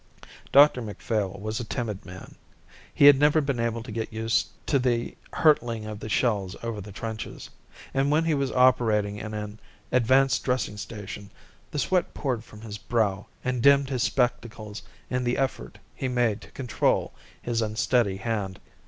Dr Macphail was a timid man. He had never been able to get used to the hurtling of the shells over the trenches, and when he was operating in an advanced dressing station the sweat poured from his brow and dimmed his spectacles in the effort he made to control his unsteady hand.